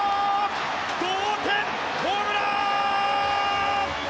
同点ホームラン！